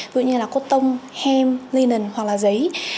vừa như là cốt tông hem linen hoặc là giấy